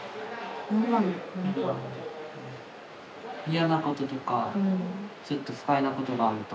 嫌なこととかちょっと不快なことがあると。